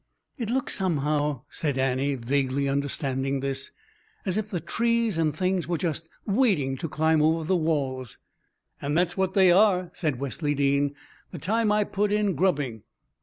"It looks somehow," said Annie, vaguely understanding this, "as if the trees and things were just waiting to climb over the walls." "And that's what they are," said Wesley Dean. "The time I put in grubbing!